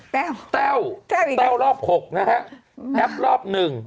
แต้วแต้วรอบ๖แอปรอบ๑